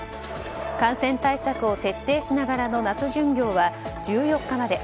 感染対策を徹底しながらの夏巡業は１４日まで。